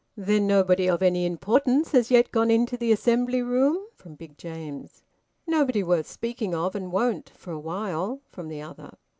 "Then nobody of any importance has yet gone into the assembly room?" from Big James. "Nobody worth speaking of, and won't, for a while," from the other.